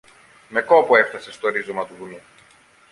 Με κόπο έφθασε στο ρίζωμα του βουνού